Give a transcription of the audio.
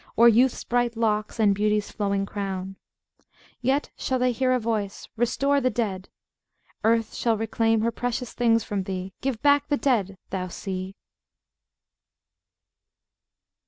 O'er youth's bright locks, and beauty's flowing crown; Yet shall they hear a voice, 'Restore the dead.' Earth shall reclaim her precious things from thee. Give back the dead, thou Sea!"